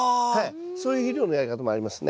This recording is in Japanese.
そういう肥料のやり方もありますね。